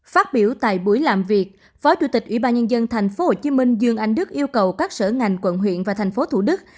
phát biểu tại buổi làm việc phó chủ tịch ủy ban nhân dân tp hcm dương anh đức yêu cầu các sở ngành quận huyện và thành phố thủ đức